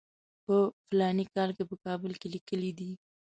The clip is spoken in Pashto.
په فلاني کال کې په کابل کې لیکلی دی.